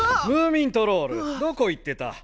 ムーミントロールどこ行ってた？